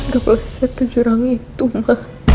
gak boleh set ke jurang itu mama